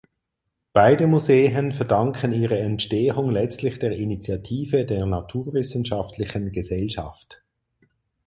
Beide Museen verdanken ihre Entstehung letztlich der Initiative der "Naturwissenschaftlichen Gesellschaft".